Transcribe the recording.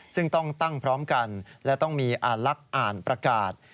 ซึ่งต้องตั้งพร้อมกันและต้องมีอ่านลักษณ์อ่านประกาศ